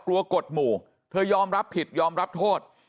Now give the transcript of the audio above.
กฎหมู่เธอยอมรับผิดยอมรับโทษ